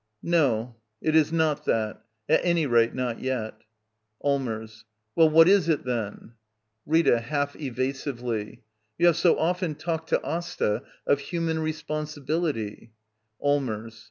No, it is not that — at any rate, not yet. Allmers. Well, what is it, then? Rita. [Half evasively.] You have so often talked to Asta of human responsibility — Allmers.